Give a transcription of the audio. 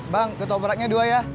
bang ke toh praknya dua ya